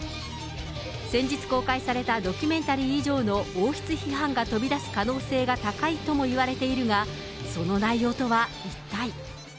先日公開されたドキュメンタリー以上の王室批判が飛び出す可能性が高いともいわれているが、その内容とは一体。